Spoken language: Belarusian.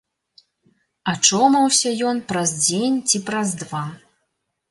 Ачомаўся ён праз дзень ці праз два.